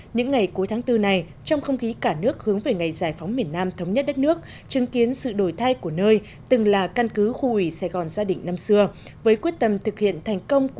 những ngày cuối tháng bốn này trong không khí cả nước hướng về ngày giải phóng miền nam thống nhất đất nước chứng kiến sự đổi thay của nơi từng là căn cứ khu ủy sài gòn gia đình năm xưa